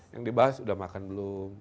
yang dibahas sudah makan belum